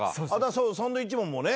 そうサンドウィッチマンもね。